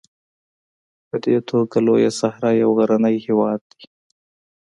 په دې توګه لویه صحرا یو غرنی هېواد دی.